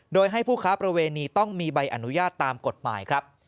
โดยให้ผู้ค้าประเวณีต้องมีใบอนุญาตตามกฎหมายครับ